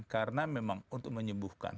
karena memang untuk menyembuhkan